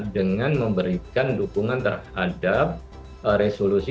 dengan memberikan dukungan terhadap resolusi